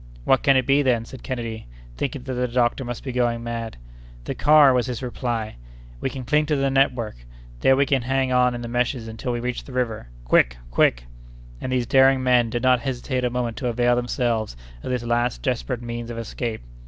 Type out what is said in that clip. "What can it be, then?" said Kennedy, thinking that the doctor must be going mad. "The car!" was his reply; "we can cling to the network. There we can hang on in the meshes until we reach the river. Quick! quick!" And these daring men did not hesitate a moment to avail themselves of this last desperate means of escape.